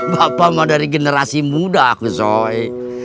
bapak mah dari generasi muda kusoy